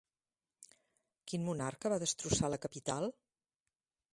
Quin monarca va destrossar la capital?